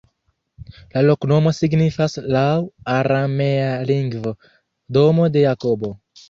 La loknomo signifas laŭ aramea lingvo: "domo de Jakobo".